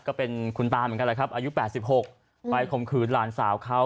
ก็เป็นคุณตามันกันแล้วครับอายุ๘๖ไปคมคืนหลานสาวเขา